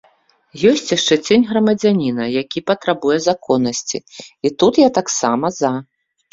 Ёсць яшчэ цень грамадзяніна, які патрабуе законнасці, і тут я таксама за.